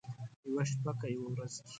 یوه شپه که یوه ورځ کې،